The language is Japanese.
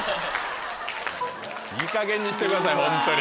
いいかげんにしてくださいホントに。